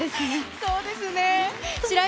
そうですね。